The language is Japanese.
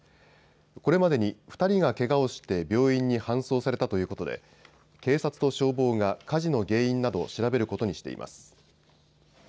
これまでに２人がけがをして病院に搬送されたということで警察と消防が火事の原因などを調べることにしています。